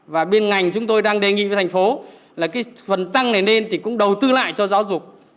và bên ngành chúng tôi đang đề nghị với thành phố là cái phần tăng này lên thì cũng đầu tư lại cho giáo dục